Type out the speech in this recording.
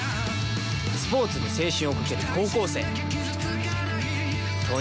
スポーツに青春をかける高校生。